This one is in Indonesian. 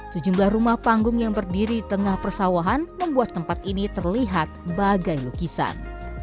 sejumlah rumah panggung yang berdiri di tengah persawahan membuat tempat ini terlihat bagai lukisan